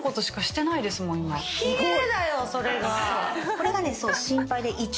これがね。